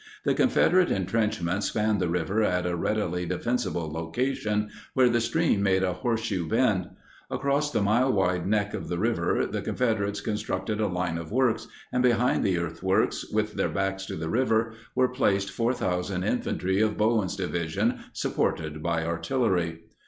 The Confederate entrenchments spanned the river at a readily defensible location where the stream made a horseshoe bend. Across the mile wide neck of the river the Confederates constructed a line of works, and behind the earthworks, with their backs to the river, were placed 4,000 infantry of Bowen's Division supported by artillery.